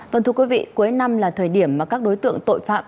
vâng thưa quý vị cuối năm là thời điểm mà các đối tượng tội phạm